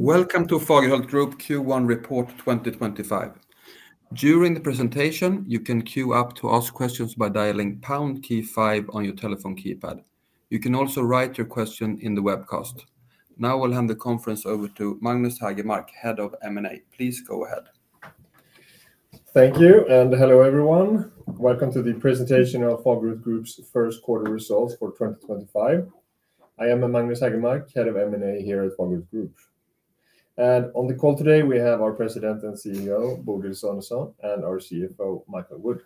Welcome to Fagerhult Group Q1 Report 2025. During the presentation, you can queue up to ask questions by dialing Pound key five on your telephone keypad. You can also write your question in the webcast. Now I'll hand the conference over to Magnus Haegermark, Head of M&A. Please go ahead. Thank you, and hello everyone. Welcome to the presentation of Fagerhult Group's first quarter results for 2025. I am Magnus Haegermark, Head of M&A here at Fagerhult Group. On the call today, we have our President and CEO, Bodil Sonesson, and our CFO, Michael Wood.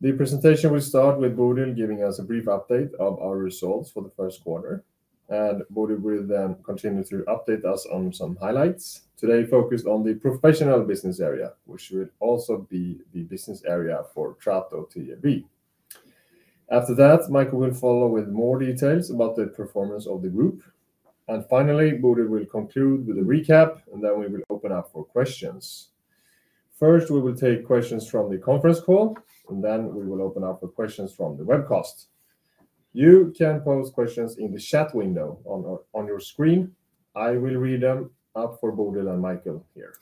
The presentation will start with Bodil giving us a brief update of our results for the first quarter, and Bodil will then continue to update us on some highlights, today focused on the professional business area, which will also be the business area for Trato TLV Group. After that, Michael will follow with more details about the performance of the group. Finally, Bodil will conclude with a recap, and then we will open up for questions. First, we will take questions from the conference call, and then we will open up for questions from the webcast. You can post questions in the chat window on your screen. I will read them up for Bodil and Michael here.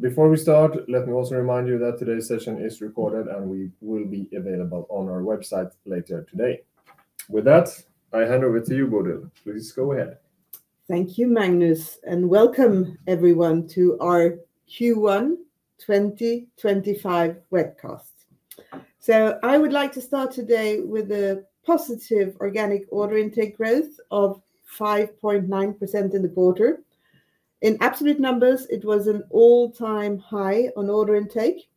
Before we start, let me also remind you that today's session is recorded and we will be available on our website later today. With that, I hand over to you, Bodil. Please go ahead. Thank you, Magnus, and welcome everyone to our Q1 2025 webcast. I would like to start today with the positive organic order intake growth of 5.9% in the quarter. In absolute numbers, it was an all-time high on order intake,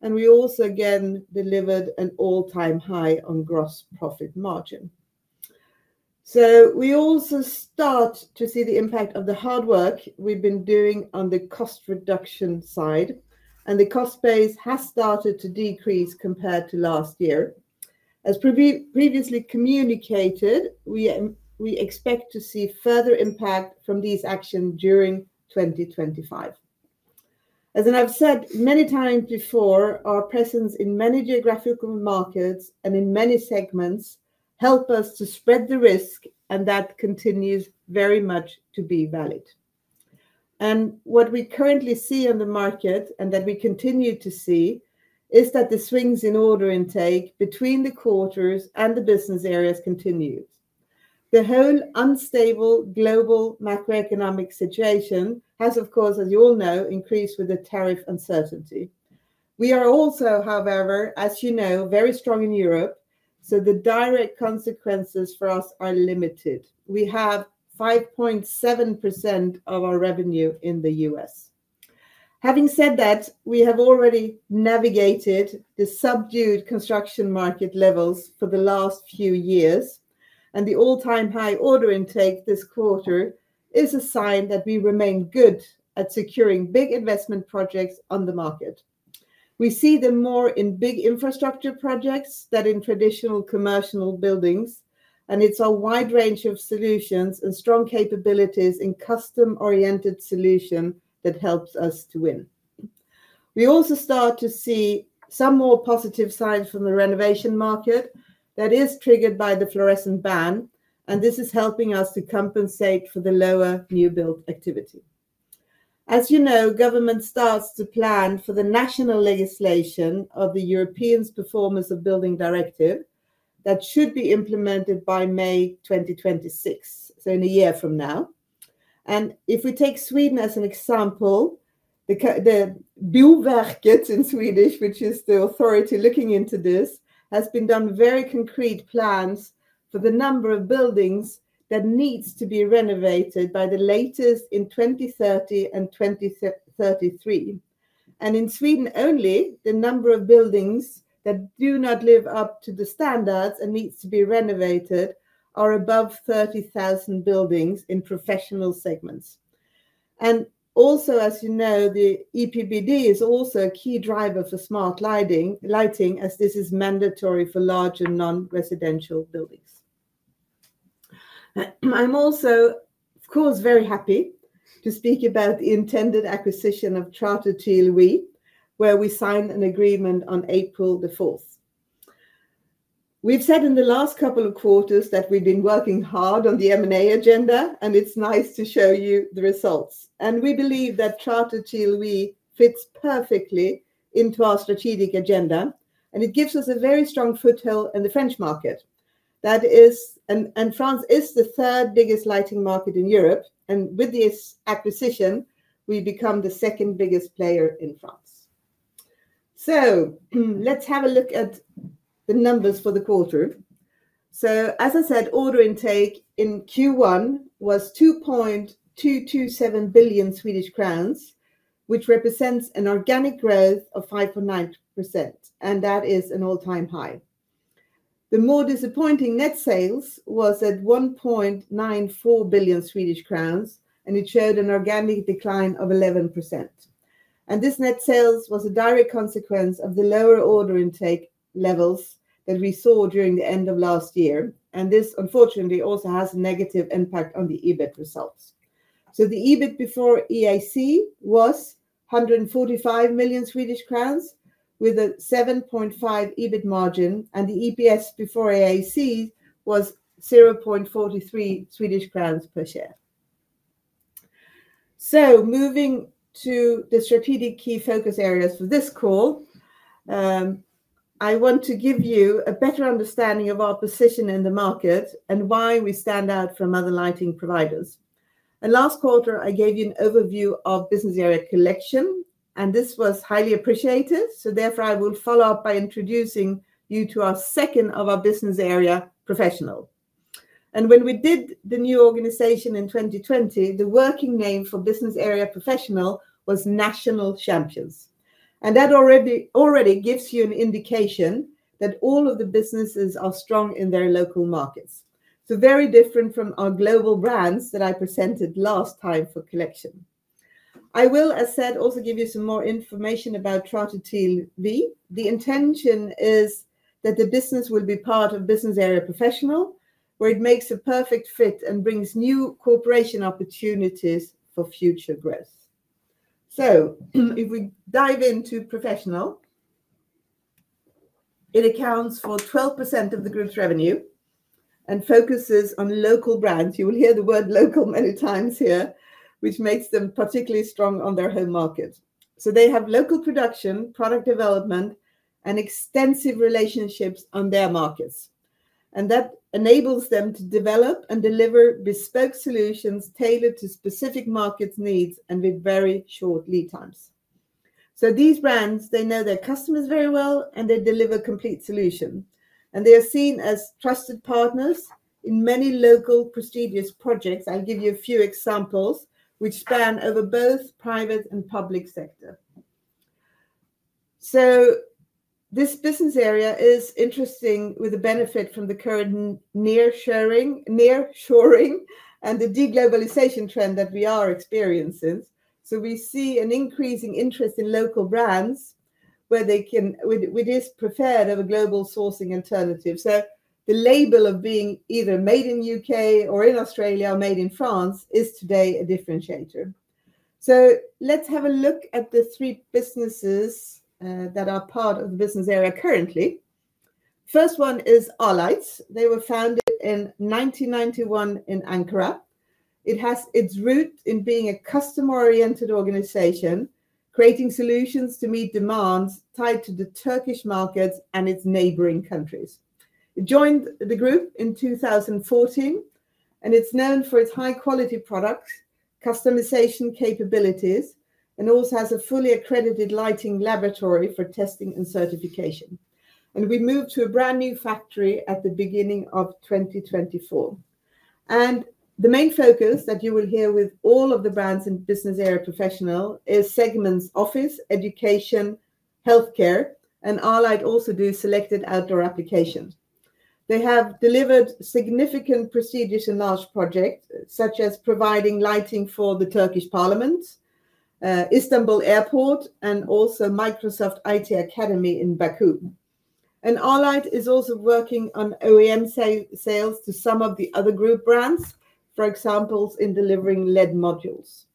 and we also again delivered an all-time high on gross profit margin. We also start to see the impact of the hard work we've been doing on the cost reduction side, and the cost base has started to decrease compared to last year. As previously communicated, we expect to see further impact from these actions during 2025. As I've said many times before, our presence in many geographical markets and in many segments helps us to spread the risk, and that continues very much to be valid. What we currently see on the market, and that we continue to see, is that the swings in order intake between the quarters and the business areas continue. The whole unsTLVle global macroeconomic situation has, of course, as you all know, increased with the tariff uncertainty. We are also, however, as you know, very strong in Europe, so the direct consequences for us are limited. We have 5.7% of our revenue in the U.S. Having said that, we have already navigated the subdued construction market levels for the last few years, and the all-time high order intake this quarter is a sign that we remain good at securing big investment projects on the market. We see them more in big infrastructure projects than in traditional commercial buildings, and it's a wide range of solutions and strong capabilities in custom-oriented solutions that helps us to win. We also start to see some more positive signs from the renovation market that is triggered by the fluorescent ban, and this is helping us to compensate for the lower new build activity. As you know, government starts to plan for the national legislation of the European Performance of Buildings Directive that should be implemented by May 2026, so in a year from now. If we take Sweden as an example, the Boverket in Swedish, which is the authority looking into this, has been done very concrete plans for the number of buildings that need to be renovated by the latest in 2030 and 2033. In Sweden only, the number of buildings that do not live up to the standards and need to be renovated are above 30,000 buildings in professional segments. Also, as you know, the EPBD is a key driver for smart lighting, as this is mandatory for large and non-residential buildings. I'm also, of course, very happy to speak about the intended acquisition of Trato TLV Group, where we signed an agreement on April 4. We've said in the last couple of quarters that we've been working hard on the M&A agenda, and it's nice to show you the results. We believe that Trato TLV Group fits perfectly into our strategic agenda, and it gives us a very strong foothold in the French market. France is the third biggest lighting market in Europe, and with this acquisition, we become the second biggest player in France. Let's have a look at the numbers for the quarter. As I said, order intake in Q1 was 2.227 billion Swedish crowns, which represents an organic growth of 5.9%, and that is an all-time high. The more disappointing net sales was at 1.94 billion Swedish crowns, and it showed an organic decline of 11%. This net sales was a direct consequence of the lower order intake levels that we saw during the end of last year, and this, unfortunately, also has a negative impact on the EBIT results. The EBIT before IAC was 145 million Swedish crowns with a 7.5% EBIT margin, and the EPS before IAC was 0.43 Swedish crowns per share. Moving to the strategic key focus areas for this call, I want to give you a better understanding of our position in the market and why we stand out from other lighting providers. Last quarter, I gave you an overview of business area Collection, and this was highly appreciated, so therefore I will follow up by introducing you to our second of our business area Professional. When we did the new organization in 2020, the working name for business area Professional was National Champions. That already gives you an indication that all of the businesses are strong in their local markets, very different from our global brands that I presented last time for Collection. I will, as said, also give you some more information about Trato TLV. The intention is that the business will be part of business area Professional, where it makes a perfect fit and brings new cooperation opportunities for future growth. If we dive into Professional, it accounts for 12% of the group's revenue and focuses on local brands. You will hear the word local many times here, which makes them particularly strong on their home market. They have local production, product development, and extensive relationships on their markets. That enables them to develop and deliver bespoke solutions tailored to specific markets' needs and with very short lead times. These brands, they know their customers very well, and they deliver complete solutions. They are seen as trusted partners in many local prestigious projects. I'll give you a few examples which span over both private and public sector. This business area is interesting with the benefit from the current nearshoring and the deglobalization trend that we are experiencing. We see an increasing interest in local brands where they can, which is preferred over a global sourcing alternative. The label of being either made in the U.K. or in Australia or made in France is today a differentiator. Let's have a look at the three businesses that are part of the business area currently. First one is Arlight. They were founded in 1991 in Ankara. It has its root in being a customer-oriented organization, creating solutions to meet demands tied to the Turkish markets and its neighboring countries. It joined the group in 2014, and it's known for its high-quality products, customization capabilities, and also has a fully accredited lighting laboratory for testing and certification. We moved to a brand new factory at the beginning of 2024. The main focus that you will hear with all of the brands and business area professionals is segments: office, education, healthcare, and Arlight also does selected outdoor applications. They have delivered significant prestigious and large projects, such as providing lighting for the Turkish Parliament, Istanbul Airport, and also Microsoft IT Academy in Baku. Arlight is also working on OEM sales to some of the other group brands, for example, in delivering LED modules.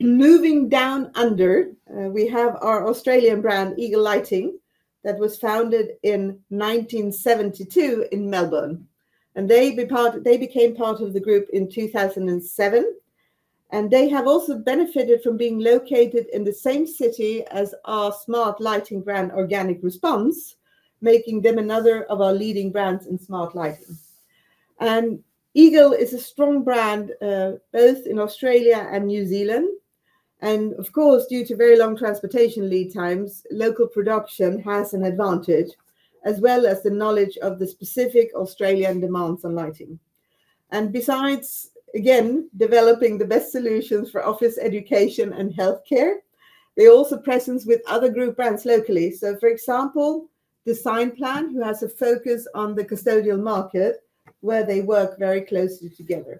Moving down under, we have our Australian brand, Eagle Lighting, that was founded in 1972 in Melbourne. They became part of the group in 2007. They have also benefited from being located in the same city as our smart lighting brand, Organic Response, making them another of our leading brands in smart lighting. Eagle is a strong brand both in Australia and New Zealand. Of course, due to very long transportation lead times, local production has an advantage, as well as the knowledge of the specific Australian demands on lighting. Besides, again, developing the best solutions for office, education, and healthcare, they also have presence with other group brands locally. For example, Designplan, who has a focus on the custodial market, where they work very closely together.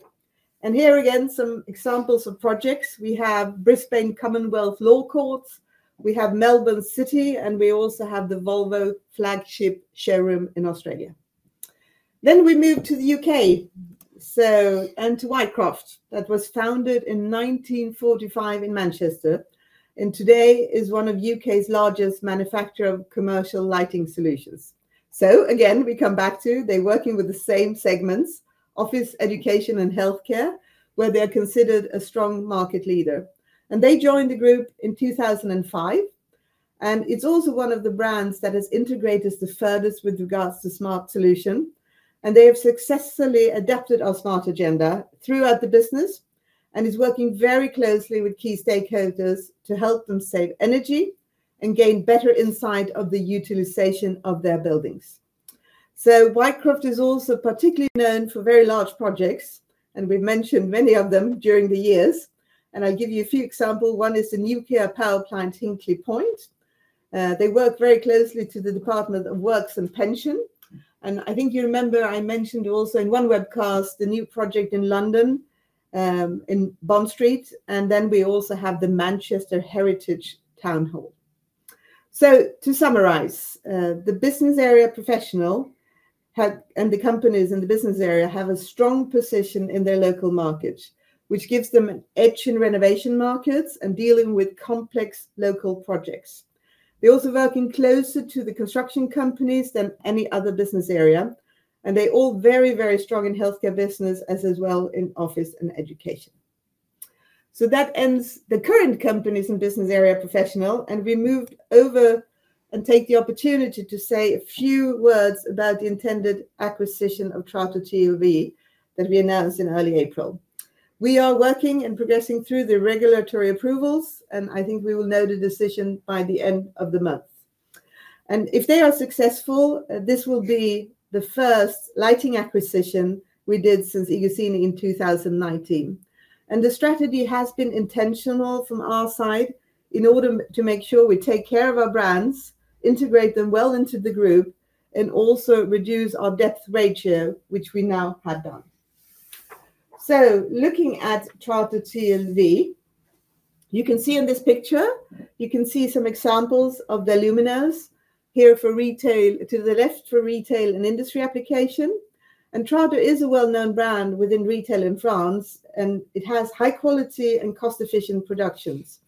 Here again, some examples of projects. We have Brisbane Commonwealth Law Courts. We have Melbourne City, and we also have the Volvo flagship showroom in Australia. We move to the U.K., and to Whitecroft, that was founded in 1945 in Manchester, and today is one of the U.K.'s largest manufacturers of commercial lighting solutions. Again, we come back to they're working with the same segments, office, education, and healthcare, where they're considered a strong market leader. They joined the group in 2005. It is also one of the brands that has integrated the furthest with regards to smart solutions. They have successfully adapted our smart agenda throughout the business and are working very closely with key stakeholders to help them save energy and gain better insight into the utilization of their buildings. Whitecroft is also particularly known for very large projects, and we've mentioned many of them during the years. I'll give you a few examples. One is the nuclear power plant Hinkley Point. They work very closely with the Department for Work and Pensions. I think you remember I mentioned also in one webcast the new project in London in Bond Street. We also have the Manchester Heritage Town Hall. To summarize, the business area professionals and the companies in the business area have a strong position in their local markets, which gives them an edge in renovation markets and dealing with complex local projects. They're also working closer to the construction companies than any other business area. They're all very, very strong in the healthcare business, as well as in office and education. That ends the current companies and business area professionals. We moved over and take the opportunity to say a few words about the intended acquisition of Trato TLV that we announced in early April. We are working and progressing through the regulatory approvals, and I think we will know the decision by the end of the month. If they are successful, this will be the first lighting acquisition we did since Eagle Lighting in 2019. The strategy has been intentional from our side in order to make sure we take care of our brands, integrate them well into the group, and also reduce our debt ratio, which we now have done. Looking at Trato TLV, you can see in this picture, you can see some examples of the luminaires here for retail, to the left for retail and industry application. Trato is a well-known brand within retail in France, and it has high-quality and cost-efficient productions.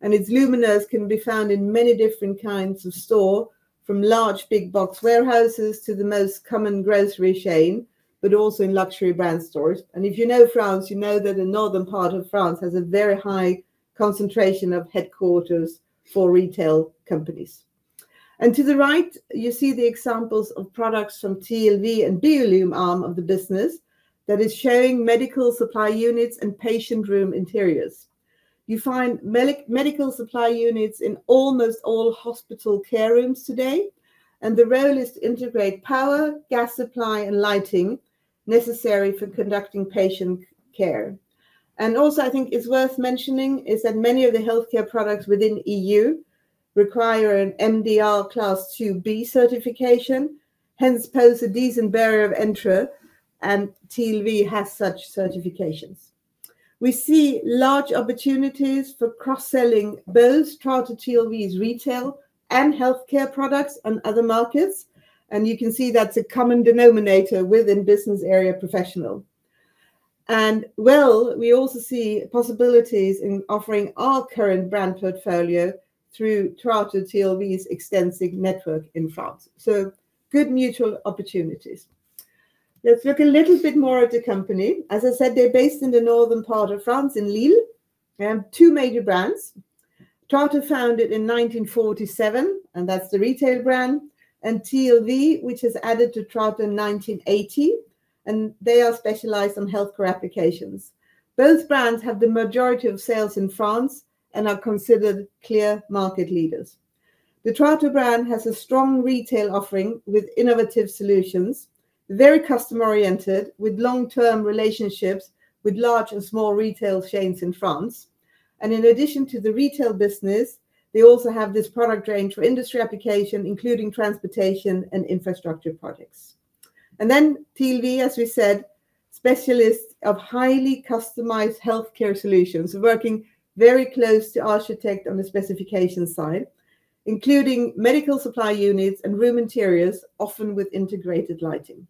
Its luminaires can be found in many different kinds of stores, from large big box warehouses to the most common grocery chain, but also in luxury brand stores. If you know France, you know that the northern part of France has a very high concentration of headquarters for retail companies. To the right, you see the examples of products from TLV and Biolume arm of the business that is showing medical supply units and patient room interiors. You find medical supply units in almost all hospital care rooms today, and the role is to integrate power, gas supply, and lighting necessary for conducting patient care. I think it's worth mentioning that many of the healthcare products within the EU require an MDR Class 2B certification, which poses a decent barrier of entry, and TLV has such certifications. We see large opportunities for cross-selling both Trato TLV's retail and healthcare products in other markets. You can see that's a common denominator within business area professionals. We also see possibilities in offering our current brand portfolio through Trato TLV's extensive network in France. Good mutual opportunities. Let's look a little bit more at the company. As I said, they're based in the northern part of France in Lille. They have two major brands. Trato was founded in 1947, and that's the retail brand. TLV, which was added to Trato in 1980, is specialized in healthcare applications. Both brands have the majority of sales in France and are considered clear market leaders. The Trato brand has a strong retail offering with innovative solutions, very customer-oriented, with long-term relationships with large and small retail chains in France. In addition to the retail business, they also have this product range for industry application, including transportation and infrastructure projects. TLV, as we said, specialists in highly customized healthcare solutions, working very close to Architect on the specification side, including medical supply units and room interiors, often with integrated lighting.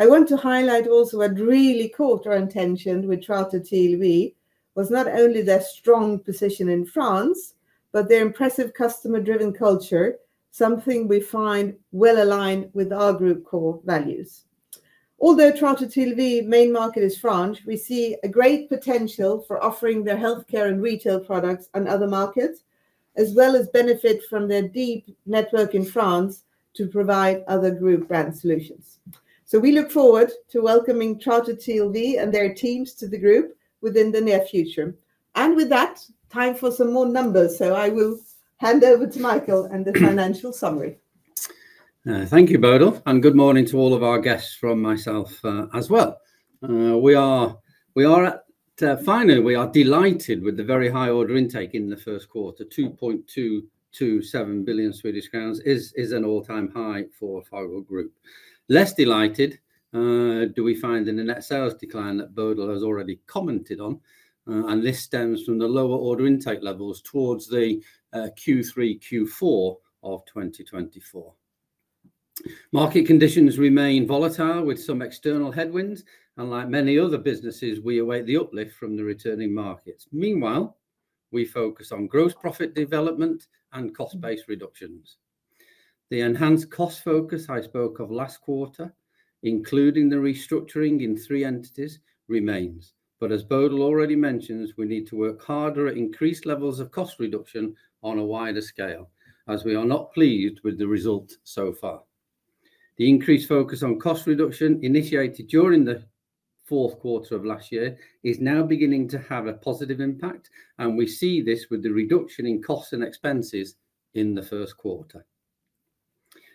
I want to highlight also what really caught our attention with Trato TLV was not only their strong position in France, but their impressive customer-driven culture, something we find well aligned with our group core values. Although Trato TLV's main market is France, we see great potential for offering their healthcare and retail products on other markets, as well as benefit from their deep network in France to provide other group brand solutions. We look forward to welcoming Trato TLV and their teams to the group within the near future. With that, time for some more numbers. I will hand over to Michael and the financial summary. Thank you, Bodil. Good morning to all of our guests from myself as well. We are finally, we are delighted with the very high order intake in the first quarter, 2.227 billion Swedish crowns, is an all-time high for our group. Less delighted do we find in the net sales decline that Bodil has already commented on. This stems from the lower order intake levels towards the Q3, Q4 of 2024. Market conditions remain volatile with some external headwinds. Like many other businesses, we await the uplift from the returning markets. Meanwhile, we focus on gross profit development and cost-based reductions. The enhanced cost focus I spoke of last quarter, including the restructuring in three entities, remains. As Bodil already mentioned, we need to work harder at increased levels of cost reduction on a wider scale, as we are not pleased with the result so far. The increased focus on cost reduction initiated during the fourth quarter of last year is now beginning to have a positive impact. We see this with the reduction in costs and expenses in the first quarter.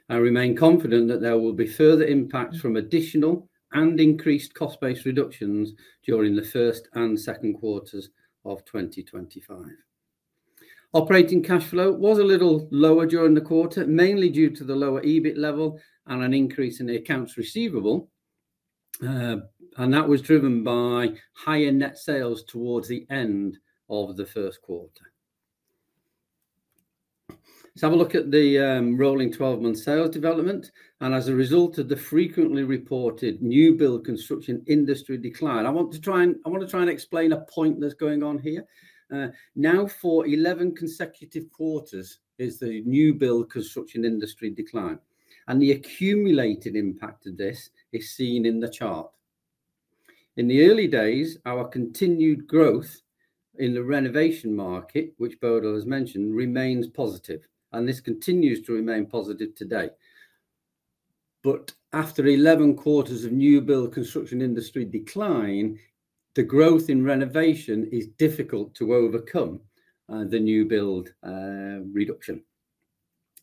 I remain confident that there will be further impacts from additional and increased cost-based reductions during the first and second quarters of 2025. Operating cash flow was a little lower during the quarter, mainly due to the lower EBIT level and an increase in the accounts receivable. That was driven by higher net sales towards the end of the first quarter. Let's have a look at the rolling 12-month sales development. As a result of the frequently reported new build construction industry decline, I want to try and explain a point that's going on here. Now, for 11 consecutive quarters, is the new build construction industry decline. The accumulated impact of this is seen in the chart. In the early days, our continued growth in the renovation market, which Bodil has mentioned, remains positive. This continues to remain positive today. After 11 quarters of new build construction industry decline, the growth in renovation is difficult to overcome the new build reduction.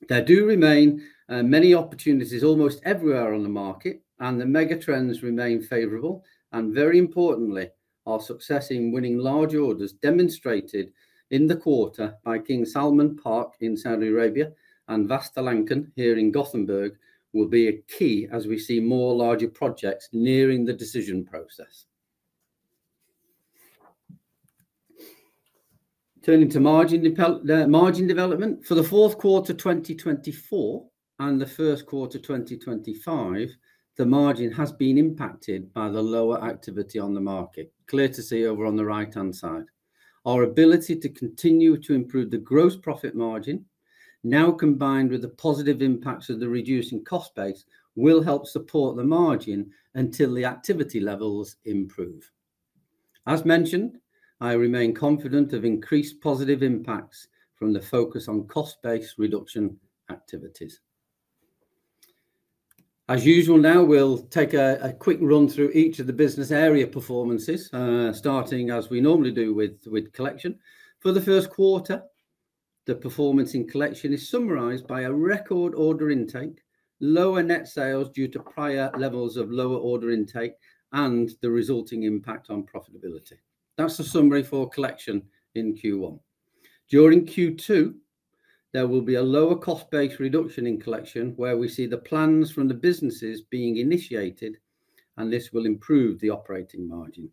There do remain many opportunities almost everywhere on the market, and the megatrends remain favorable. Very importantly, our success in winning large orders demonstrated in the quarter by King Salman Park in Saudi Arabia and Västlänken here in Gothenburg will be key as we see more larger projects nearing the decision process. Turning to margin development for the fourth quarter 2024 and the first quarter 2025, the margin has been impacted by the lower activity on the market, clear to see over on the right-hand side. Our ability to continue to improve the gross profit margin, now combined with the positive impacts of the reducing cost base, will help support the margin until the activity levels improve. As mentioned, I remain confident of increased positive impacts from the focus on cost-based reduction activities. As usual, now we'll take a quick run through each of the business area performances, starting as we normally do with collection. For the first quarter, the performance in collection is summarized by a record order intake, lower net sales due to prior levels of lower order intake, and the resulting impact on profiTLVility. That's the summary for collection in Q1. During Q2, there will be a lower cost-based reduction in collection, where we see the plans from the businesses being initiated, and this will improve the operating margin.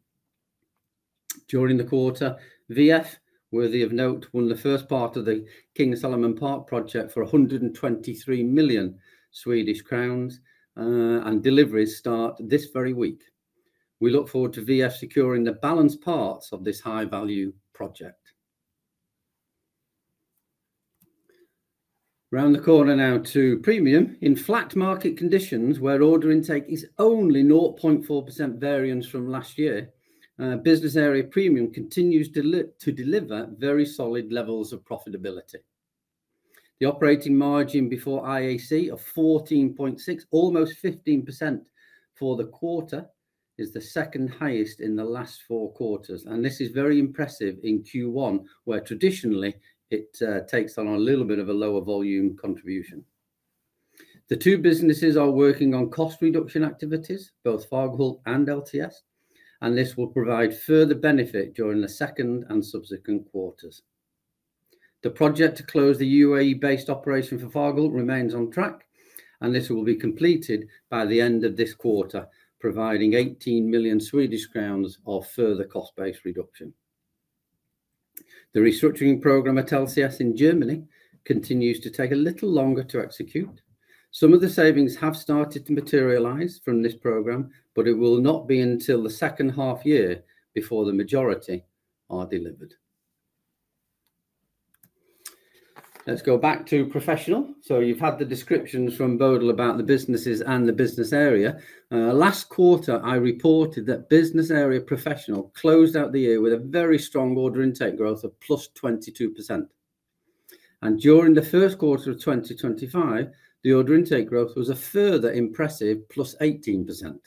During the quarter, WE-EF, worthy of note, won the first part of the King Salman Park project for 123 million Swedish crowns, and deliveries start this very week. We look forward to WE-EF securing the balanced parts of this high-value project. Around the corner now to premium. In flat market conditions, where order intake is only 0.4% variance from last year, business area premium continues to deliver very solid levels of profiTLVility. The operating margin before IAC of 14.6%, almost 15% for the quarter, is the second highest in the last four quarters. This is very impressive in Q1, where traditionally it takes on a little bit of a lower volume contribution. The two businesses are working on cost reduction activities, both Fagerhult and LTS, and this will provide further benefit during the second and subsequent quarters. The project to close the UAE-based operation for Fagerhult remains on track, and this will be completed by the end of this quarter, providing 18 million Swedish crowns of further cost-based reduction. The restructuring program at LTS in Germany continues to take a little longer to execute. Some of the savings have started to materialize from this program, but it will not be until the second half year before the majority are delivered. Let's go back to professional. You have had the descriptions from Bodil about the businesses and the business area. Last quarter, I reported that business area professional closed out the year with a very strong order intake growth of +22%. During the first quarter of 2025, the order intake growth was a further impressive +18%.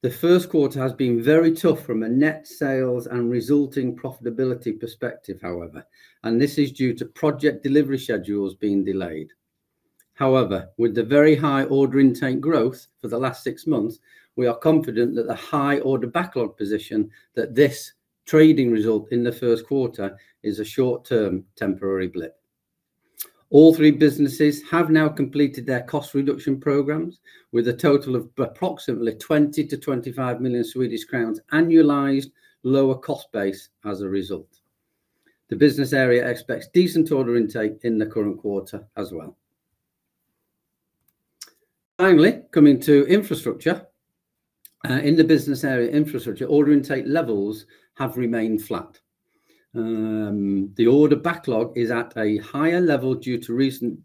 The first quarter has been very tough from a net sales and resulting profiTLVility perspective, however. This is due to project delivery schedules being delayed. However, with the very high order intake growth for the last six months, we are confident that the high order backlog position that this trading result in the first quarter is a short-term temporary blip. All three businesses have now completed their cost reduction programs with a total of approximately 20-25 million Swedish crowns annualized lower cost base as a result. The business area expects decent order intake in the current quarter as well. Finally, coming to infrastructure, in the business area infrastructure, order intake levels have remained flat. The order backlog is at a higher level due to recent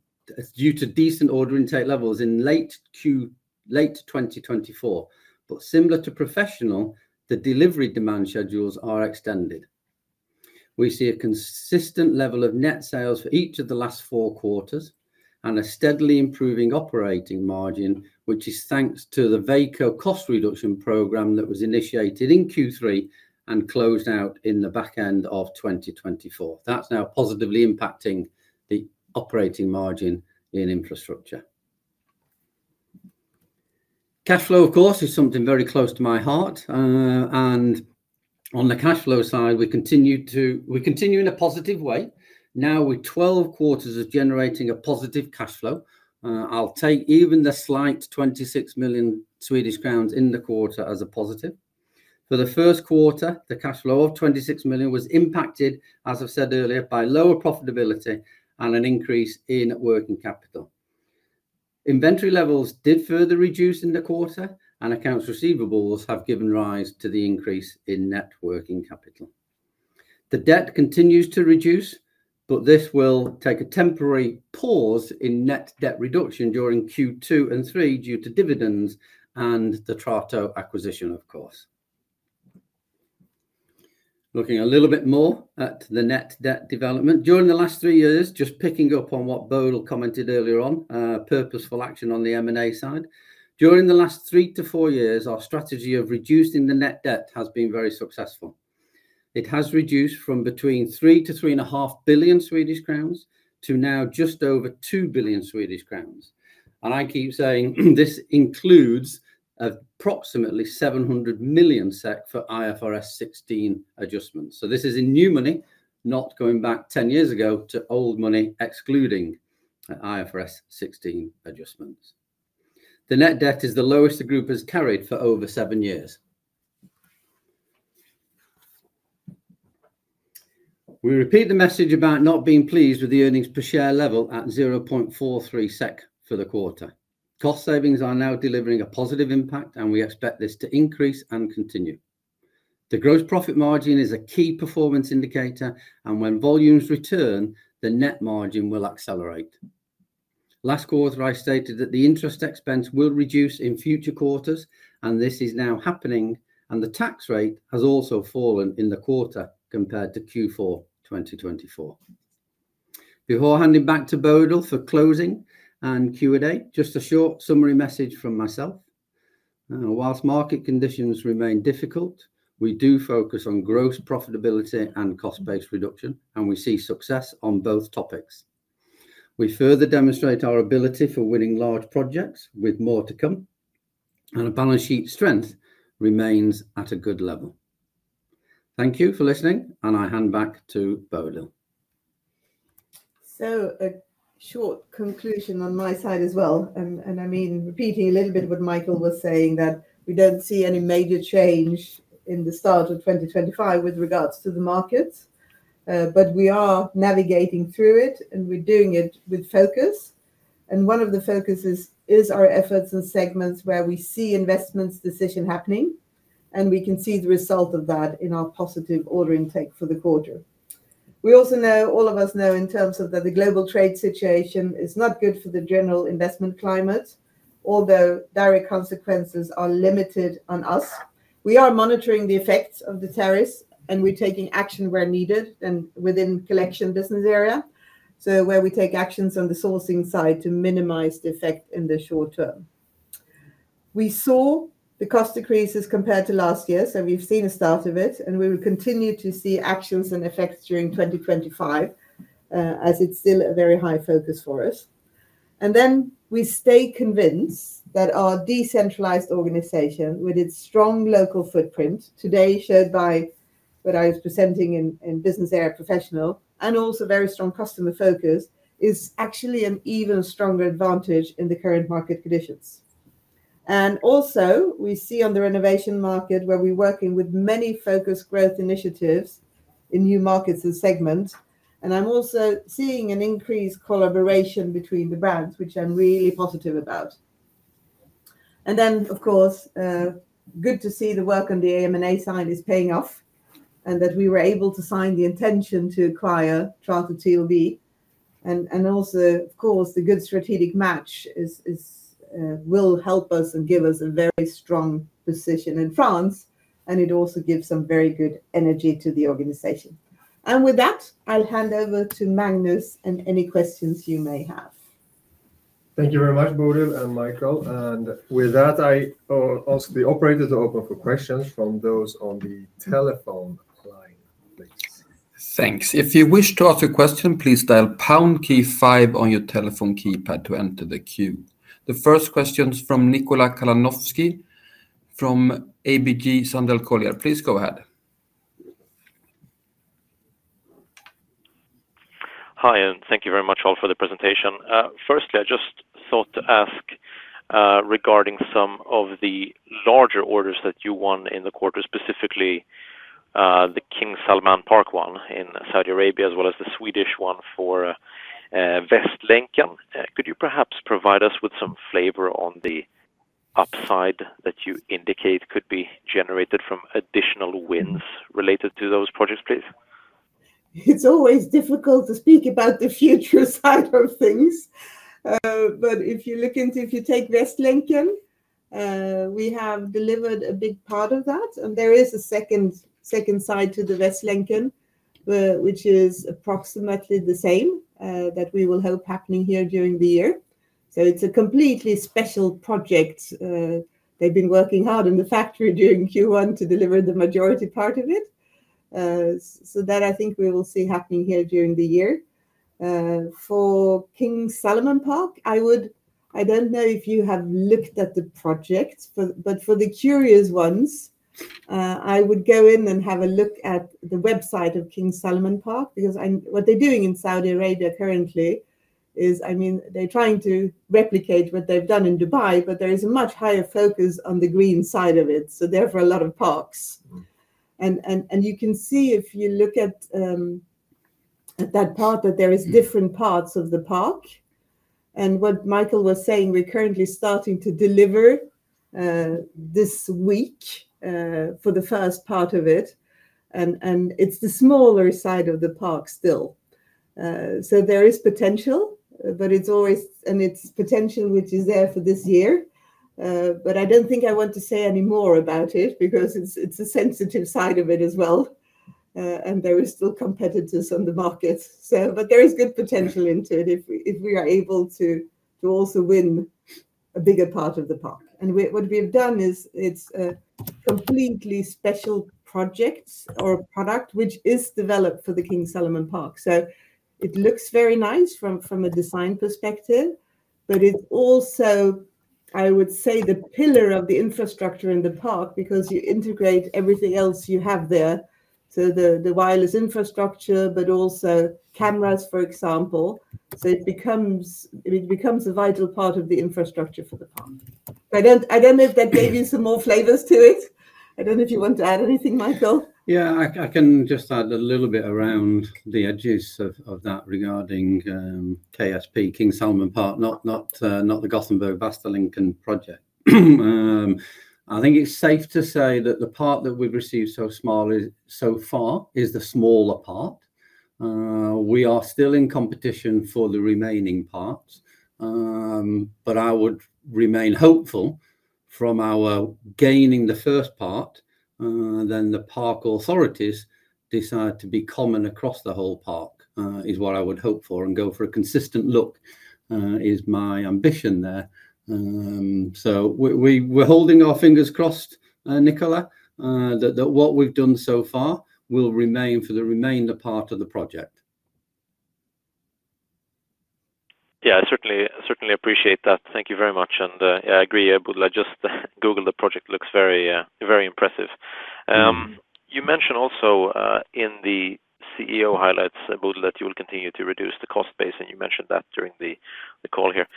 decent order intake levels in late Q2 2024. Similar to professional, the delivery demand schedules are extended. We see a consistent level of net sales for each of the last four quarters and a steadily improving operating margin, which is thanks to the Veko cost reduction program that was initiated in Q3 and closed out in the back end of 2024. That is now positively impacting the operating margin in infrastructure. Cash flow, of course, is something very close to my heart. On the cash flow side, we continue in a positive way. Now, with 12 quarters of generating a positive cash flow, I will take even the slight 26 million Swedish crowns in the quarter as a positive. For the first quarter, the cash flow of 26 million was impacted, as I've said earlier, by lower profiTLVility and an increase in working capital. Inventory levels did further reduce in the quarter, and accounts receivables have given rise to the increase in net working capital. The debt continues to reduce, but this will take a temporary pause in net debt reduction during Q2 and Q3 due to dividends and the Trato TLV Group acquisition, of course. Looking a little bit more at the net debt development during the last three years, just picking up on what Bodil commented earlier on, purposeful action on the M&A side. During the last three to four years, our strategy of reducing the net debt has been very successful. It has reduced from between 3 billion-3.5 billion Swedish crowns to now just over 2 billion Swedish crowns. I keep saying this includes approximately 700 million SEK for IFRS 16 adjustments. This is in new money, not going back 10 years ago to old money excluding IFRS 16 adjustments. The net debt is the lowest the group has carried for over seven years. We repeat the message about not being pleased with the earnings per share level at 0.43 SEK for the quarter. Cost savings are now delivering a positive impact, and we expect this to increase and continue. The gross profit margin is a key performance indicator, and when volumes return, the net margin will accelerate. Last quarter, I stated that the interest expense will reduce in future quarters, and this is now happening. The tax rate has also fallen in the quarter compared to Q4 2024. Before handing back to Bodil for closing and Q&A, just a short summary message from myself. Whilst market conditions remain difficult, we do focus on gross profitability and cost-based reduction, and we see success on both topics. We further demonstrate our ability for winning large projects with more to come, and the balance sheet strength remains at a good level. Thank you for listening, and I hand back to Bodil. A short conclusion on my side as well. I mean, repeating a little bit of what Michael was saying, that we do not see any major change in the start of 2025 with regards to the markets. We are navigating through it, and we are doing it with focus. One of the focuses is our efforts and segments where we see investments decision happening, and we can see the result of that in our positive order intake for the quarter. We also know, all of us know, in terms of that the global trade situation is not good for the general investment climate, although direct consequences are limited on us. We are monitoring the effects of the tariffs, and we're taking action where needed and within Collection business area, so where we take actions on the sourcing side to minimize the effect in the short term. We saw the cost decreases compared to last year, so we've seen the start of it, and we will continue to see actions and effects during 2025, as it's still a very high focus for us. We stay convinced that our decentralized organization, with its strong local footprint, today shared by what I was presenting in business area Professional, and also very strong customer focus, is actually an even stronger advantage in the current market conditions. We see on the renovation market where we're working with many focused growth initiatives in new markets and segments. I'm also seeing an increased collaboration between the brands, which I'm really positive about. Of course, good to see the work on the M&A side is paying off and that we were able to sign the intention to acquire Trato TLV. Of course, the good strategic match will help us and give us a very strong position in France, and it also gives some very good energy to the organization. With that, I'll hand over to Magnus and any questions you may have. Thank you very much, Bodil and Michael. With that, I ask the operators to open for questions from those on the telephone line, please. Thanks. If you wish to ask a question, please dial Pound key five on your telephone keypad to enter the queue. The first question is from Nikola Kalanoski from ABG Sundal Collier. Please go ahead. Hi, and thank you very much all for the presentation. Firstly, I just thought to ask regarding some of the larger orders that you won in the quarter, specifically the King Salman Park one in Saudi Arabia, as well as the Swedish one for Västlänken. Could you perhaps provide us with some flavor on the upside that you indicate could be generated from additional wins related to those projects, please? It's always difficult to speak about the future side of things. If you look into, if you take Västlänken, we have delivered a big part of that. There is a second side to the Västlänken, which is approximately the same that we will hope happening here during the year. It is a completely special project. They have been working hard in the factory during Q1 to deliver the majority part of it. That, I think, we will see happening here during the year. For King Salman Park, I do not know if you have looked at the projects, but for the curious ones, I would go in and have a look at the website of King Salman Park, because what they are doing in Saudi Arabia currently is, I mean, they are trying to replicate what they have done in Dubai, but there is a much higher focus on the green side of it. Therefore, a lot of parks. You can see if you look at that part that there are different parts of the park. What Michael was saying, we're currently starting to deliver this week for the first part of it. It's the smaller side of the park still. There is potential, and it's potential which is there for this year. I don't think I want to say any more about it because it's a sensitive side of it as well. There are still competitors on the market. There is good potential into it if we are able to also win a bigger part of the park. What we have done is it's a completely special project or product which is developed for the King Salman Park. It looks very nice from a design perspective, but it's also, I would say, the pillar of the infrastructure in the park because you integrate everything else you have there. The wireless infrastructure, but also cameras, for example. It becomes a vital part of the infrastructure for the park. I don't know if that gave you some more flavors to it. I don't know if you want to add anything, Michael. Yeah, I can just add a little bit around the edges of that regarding KSP, King Salman Park, not the Gothenburg Västlänken project. I think it's safe to say that the part that we've received so far is the smaller part. We are still in competition for the remaining parts, but I would remain hopeful from our gaining the first part, then the park authorities decide to be common across the whole park is what I would hope for and go for a consistent look is my ambition there. We're holding our fingers crossed, Nikola, that what we've done so far will remain for the remainder part of the project. Yeah, I certainly appreciate that. Thank you very much. Yeah, I agree. I just Googled the project. Looks very impressive. You mentioned also in the CEO highlights, Bodil, that you will continue to reduce the cost base, and you mentioned that during the call here.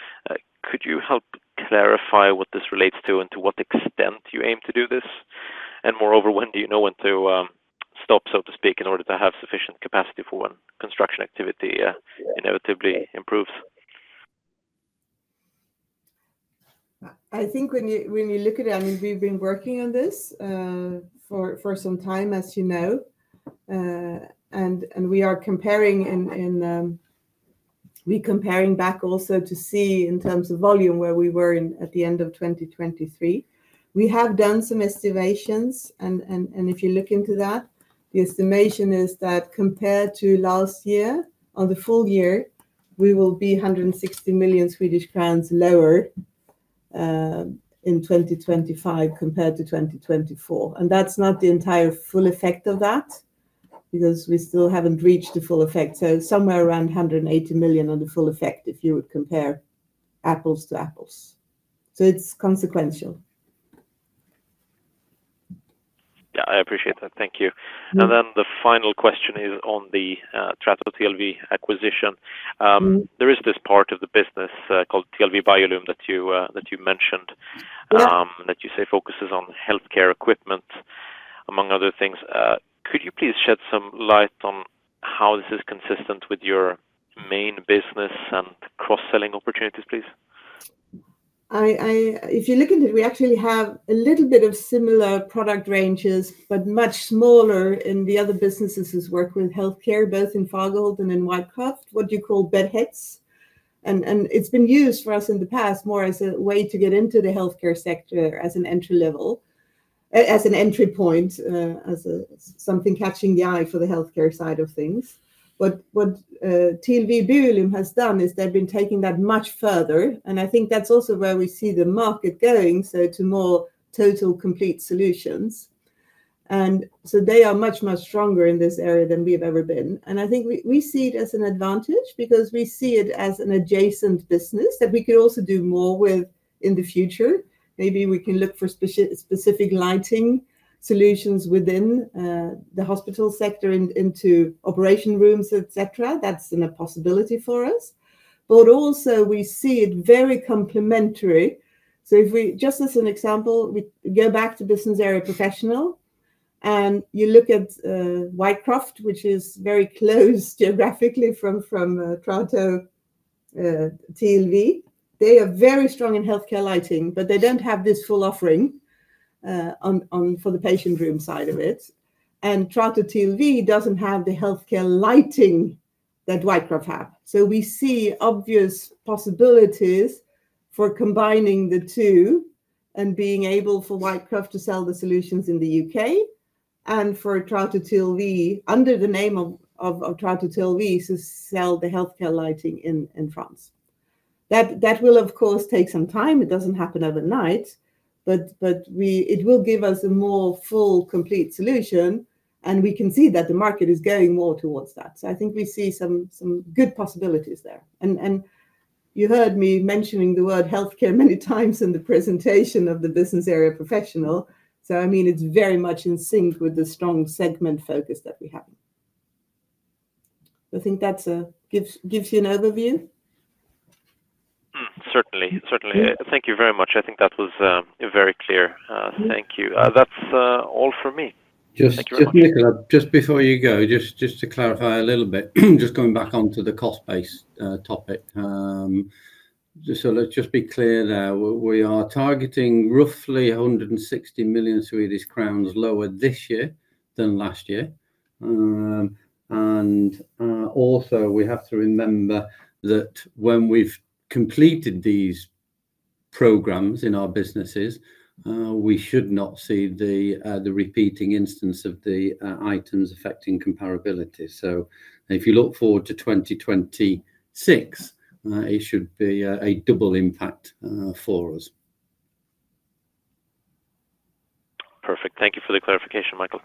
Could you help clarify what this relates to and to what extent you aim to do this? Moreover, when do you know when to stop, so to speak, in order to have sufficient capacity for when construction activity inevitably improves? I think when you look at it, I mean, we've been working on this for some time, as you know. We are comparing and re-comparing back also to see in terms of volume where we were at the end of 2023. We have done some estimations, and if you look into that, the estimation is that compared to last year, on the full year, we will be 160 million Swedish crowns lower in 2025 compared to 2024. That is not the entire full effect of that because we still have not reached the full effect. It's somewhere around 180 million on the full effect if you would compare apples to apples. It is consequential. Yeah, I appreciate that. Thank you. The final question is on the Trato TLV acquisition. There is this part of the business called TLV Biolume that you mentioned that you say focuses on healthcare equipment, among other things. Could you please shed some light on how this is consistent with your main business and cross-selling opportunities, please? If you look into it, we actually have a little bit of similar product ranges, but much smaller in the other businesses who work with healthcare, both in Fagerhult and in Whitecroft, what you call bedheads. It's been used for us in the past more as a way to get into the healthcare sector as an entry level, as an entry point, as something catching the eye for the healthcare side of things. What TLV Biolume has done is they've been taking that much further. I think that's also where we see the market going, to more total complete solutions. They are much, much stronger in this area than we've ever been. I think we see it as an advantage because we see it as an adjacent business that we could also do more with in the future. Maybe we can look for specific lighting solutions within the hospital sector into operation rooms, etc. That is a possibility for us. Also, we see it very complementary. Just as an example, we go back to business area professional, and you look at Whitecroft, which is very close geographically from Trato TLV. They are very strong in healthcare lighting, but they do not have this full offering for the patient room side of it. Trato TLV does not have the healthcare lighting that Whitecroft have. We see obvious possibilities for combining the two and being able for Whitecroft to sell the solutions in the U.K. and for Trato TLV under the name of Trato TLV to sell the healthcare lighting in France. That will, of course, take some time. It does not happen overnight, but it will give us a more full, complete solution, and we can see that the market is going more towards that. I think we see some good possibilities there. You heard me mentioning the word healthcare many times in the presentation of the business area professional. I mean, it is very much in sync with the strong segment focus that we have. I think that gives you an overview. Certainly. Certainly. Thank you very much. I think that was very clear. Thank you. That is all for me. Just before you go, just to clarify a little bit, just going back onto the cost base topic. Let's just be clear there. We are targeting roughly 160 million Swedish crowns lower this year than last year. Also, we have to remember that when we've completed these programs in our businesses, we should not see the repeating instance of the items affecting comparability. If you look forward to 2026, it should be a double impact for us. Perfect. Thank you for the clarification, Michael.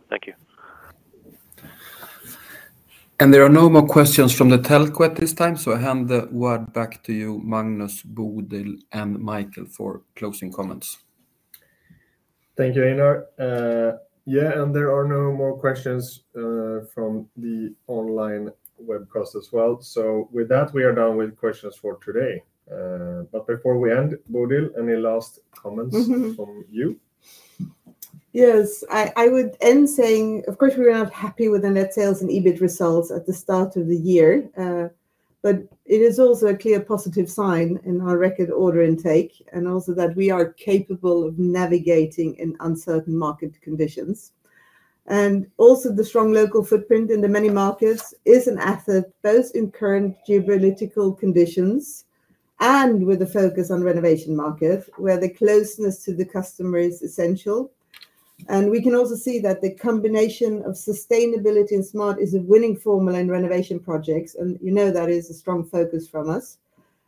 Thank you. There are no more questions from the telco at this time. I hand the word back to you, Magnus, Bodil, and Michael for closing comments. Thank you, Einar. Yeah, there are no more questions from the online webcast as well. With that, we are done with questions for today. Before we end, Bodil, any last comments from you? Yes, I would end saying, of course, we were not happy with the net sales and EBIT results at the start of the year, but it is also a clear positive sign in our record order intake and also that we are capable of navigating in uncertain market conditions. Also, the strong local footprint in the many markets is an asset both in current geopolitical conditions and with a focus on renovation markets where the closeness to the customer is essential. We can also see that the combination of sustainability and smart is a winning formula in renovation projects. You know that is a strong focus from us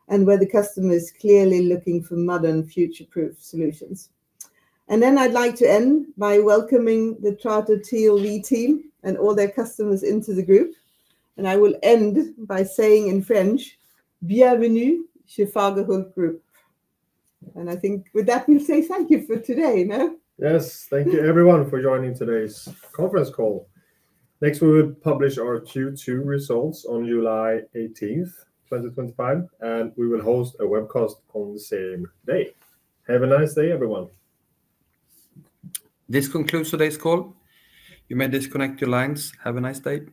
and where the customer is clearly looking for modern future-proof solutions. I would like to end by welcoming the Trato TLV team and all their customers into the group. I will end by saying in French, Bienvenue chez Fagerhult Group. I think with that, we will say thank you for today, no? Yes, thank you everyone for joining today's conference call. Next, we will publish our Q2 results on July 18th, 2025, and we will host a webcast on the same day. Have a nice day, everyone. This concludes today's call. You may disconnect your lines. Have a nice day.